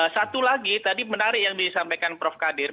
satu lagi tadi menarik yang disampaikan prof kadir